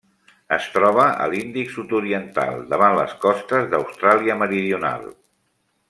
Es troba a l'Índic sud-oriental: davant les costes d'Austràlia Meridional.